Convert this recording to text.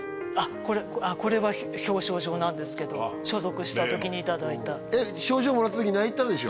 これは表彰状なんですけど所属した時にいただいた例の賞状もらった時泣いたでしょ